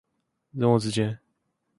人我之間